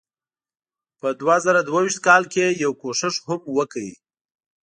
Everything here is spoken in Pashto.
په دوه زره دوه ویشت کال کې یې یو کوښښ هم وکړ.